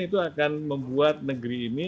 itu akan membuat negeri ini